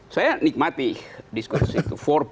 saya nikmati diskursi itu empat